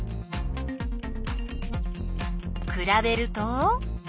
くらべると？